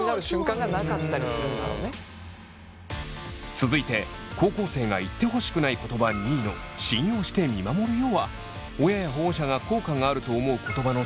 続いて高校生が言ってほしくない言葉２位のは親や保護者が「効果がある」と思う言葉の３位。